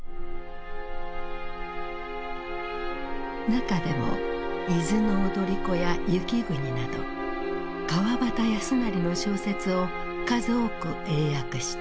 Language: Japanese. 中でも「伊豆の踊子」や「雪国」など川端康成の小説を数多く英訳した。